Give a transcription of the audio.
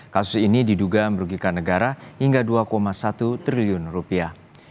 kasus ini diduga merugikan negara hingga dua satu triliun rupiah